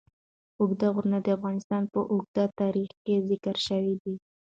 اوږده غرونه د افغانستان په اوږده تاریخ کې ذکر شوی دی.